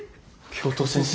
教頭先生！